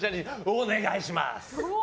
お願いします！